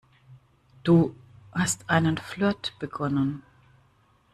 Du hast einen Flirt begonnen.